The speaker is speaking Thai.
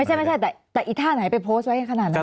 ไม่ใช่แต่อีท่าไหนไปโพสต์ไว้ขนาดนั้น